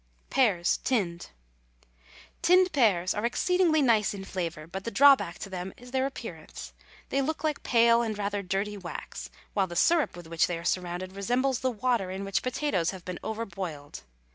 PEARS, TINNED. Tinned pears are exceedingly nice in flavour, but the drawback to them is their appearance. They look like pale and rather dirty wax, while the syrup with which they are surrounded resembles the water in which potatoes have been over boiled.